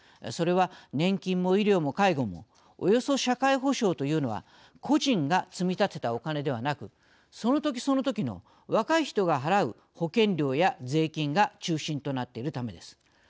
それは、年金も医療も介護もおよそ社会保障というのは個人が積み立てたお金ではなくその時、その時の若い人が払う保険料や税金が中心となっているためです。